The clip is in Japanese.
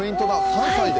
３歳で？